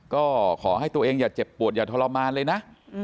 ก็ขอให้ตัวเองอย่าเจ็บปวดอย่าทรมานเลยนะ